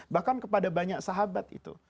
bahkan kepada banyak sahabat itu